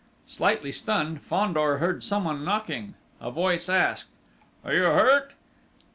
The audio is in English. Slightly stunned, Fandor heard some one knocking. A voice asked: "Are you hurt?"